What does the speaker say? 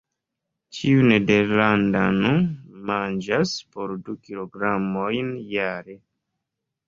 Ĉiu nederlandano manĝas po du kilogramojn jare.